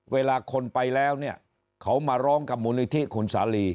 เวลาคนไปแล้วเนี่ยเขามาร้องกับมูลนิธิคุณสาลี